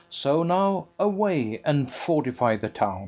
So, now away and fortify the town.